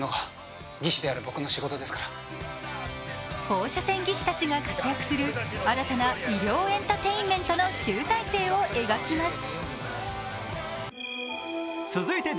放射線技師たちが活躍する新たな医療エンターテインメントの集大成を描きます。